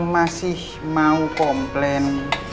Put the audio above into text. masih mau komplain